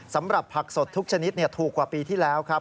สำหรับผักสดทุกชนิดถูกกว่าปีที่แล้วครับ